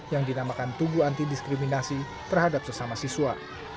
yang dinamakan tugu antidiskriminasi terhadap sesama siswa